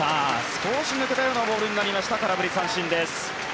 少し抜けたようなボールになりました空振り三振です。